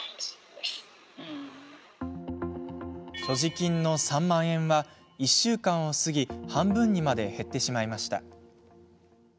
所持金の３万円は、１週間を過ぎ半分にまで減ってしまいました。